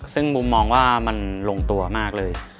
ซึ่งมุมมองว่ามันลงตัวมากเลย